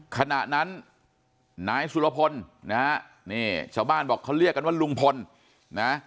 ขณะนั้นนายสุรพลนะฮะนี่ชาวบ้านบอกเขาเรียกกันว่าลุงพลนะ